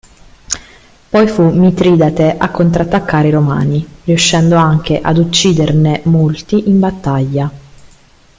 Poi fu Mitridate a contrattaccare i Romani, riuscendo anche ad ucciderne molti in battaglia.